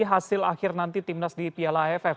hasil akhir nanti timnas di piala aff